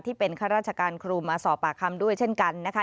ข้าราชการครูมาสอบปากคำด้วยเช่นกันนะคะ